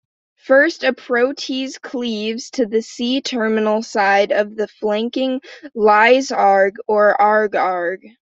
First, a protease cleaves to the C-terminal side of the flanking Lys-Arg or Arg-Arg.